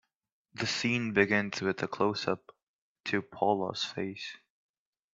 The scene begins with a closeup to Paula's face.